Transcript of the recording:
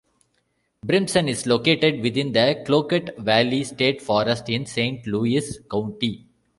Brimson is located within the Cloquet Valley State Forest in Saint Louis County.